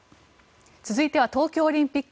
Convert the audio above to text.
続いては東京オリンピック。